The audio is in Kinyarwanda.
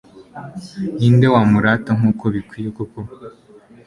ni nde wamurata nk'uko bikwiye koko